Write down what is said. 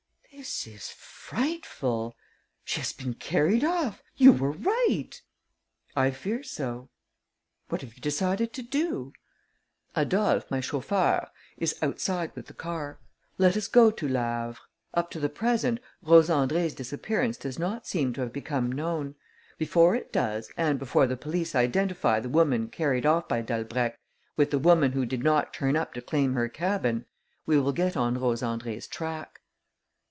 "This is frightful. She has been carried off. You were right." "I fear so." "What have you decided to do?" "Adolphe, my chauffeur, is outside with the car. Let us go to Le Havre. Up to the present, Rose Andrée's disappearance does not seem to have become known. Before it does and before the police identify the woman carried off by Dalbrèque with the woman who did not turn up to claim her cabin, we will get on Rose Andrée's track."